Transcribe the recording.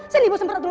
sini ibu semprot dulu